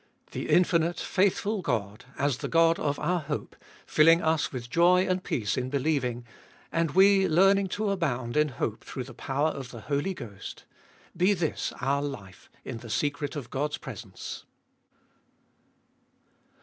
The infinite faithful God, as the God of our hope, filling us with joy and peace in believing, and we learning to abound in hope through the power of the Holy Ghost : Be this our life in the secret of God's presence